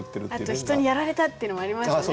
あと人に「やられた！」っていうのもありますよね。